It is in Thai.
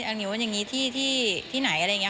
อันนี้วันอย่างงี้ที่ที่ที่ไหนอะไรอย่างเงี้ย